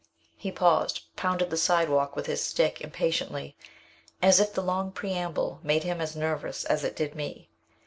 He paused, pounded the side walk with his stick, impatiently, as if the long preamble made him as nervous as it did me.